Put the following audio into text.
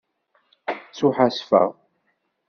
Ttuḥasfeɣ.